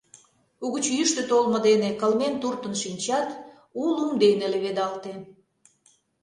Угыч йӱштӧ толмо дене кылмен туртын шинчат, у лум дене леведалте.